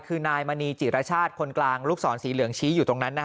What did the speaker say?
คือนายมณีจิรชาติคนกลางลูกศรสีเหลืองชี้อยู่ตรงนั้น